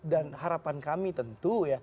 dan harapan kami tentu